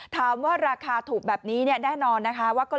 ถามว่าราคาถูกแบบนี้แน่นอนนะคะว่า